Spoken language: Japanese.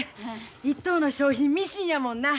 １等の賞品ミシンやもんな。